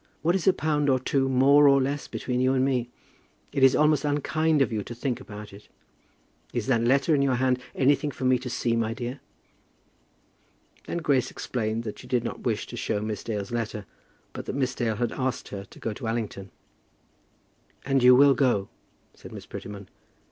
"What is a pound or two more or less between you and me? It is almost unkind of you to think about it. Is that letter in your hand anything for me to see, my dear?" Then Grace explained that she did not wish to show Miss Dale's letter, but that Miss Dale had asked her to go to Allington. "And you will go," said Miss Prettyman.